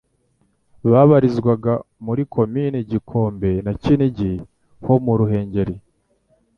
Babarizwaga muri Komini Kigombe na Kinigi ho mu Ruhengeri